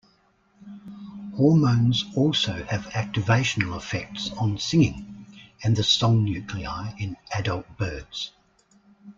Hormones also have activational effects on singing and the song nuclei in adult birds.